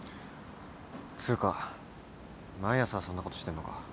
つうか毎朝そんなことしてんのか？